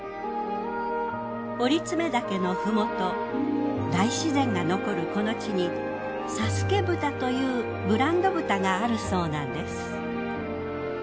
折爪岳のふもと大自然が残るこの地に佐助豚というブランド豚があるそうなんです。